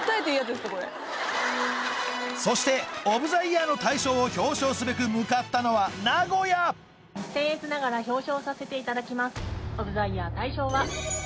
そしてオブ・ザ・イヤーの大賞を表彰すべく向かったのは僭越ながら表彰させていただきます。